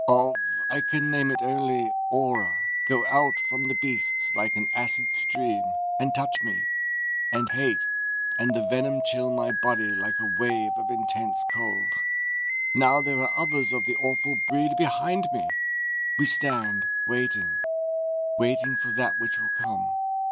"Of ... I can name it only aura, go out from the beasts like an acid stream, and touch me, and the hate, and the venom chill my body like a wave of intense cold. "Now there are others of the awful breed behind me. We stand, waiting, waiting for that which will come.